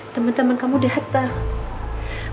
temen temen kamu datang